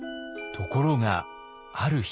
ところがある日。